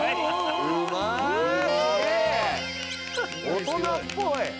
大人っぽい！